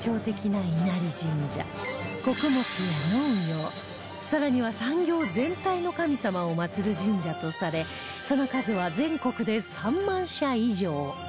穀物や農業更には産業全体の神様を祀る神社とされその数は全国で３万社以上